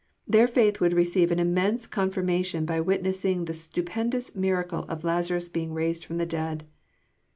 Their faith would receive an immense confirmation, by witnessing the stu pendous miracle of Lazarus being raised from the dead.